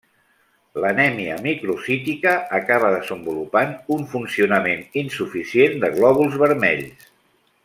L'anèmia microcítica acaba desenvolupant un funcionament insuficient de glòbuls vermells.